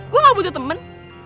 gue gak butuh temen